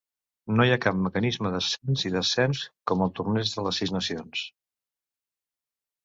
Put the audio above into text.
No hi ha cap mecanisme d'ascens i descens amb el Torneig de les Sis Nacions.